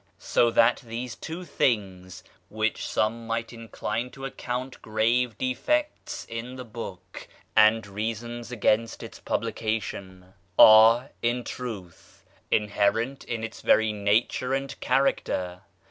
So that these two things, which some might incline to account grave defects in the book, and reasons against its publi [page viii] cation, are, in truth, inherent in its very nature and character.